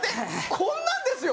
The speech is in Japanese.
こんなんですよ